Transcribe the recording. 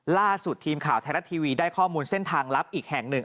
ล่าสุดทีมข่าวไทยรัฐทีวีได้ข้อมูลเส้นทางลับอีกแห่งหนึ่ง